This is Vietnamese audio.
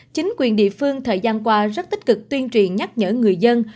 chính quyền địa phương thời gian qua rất tích cực tuyên truyền nhắc nhở người dân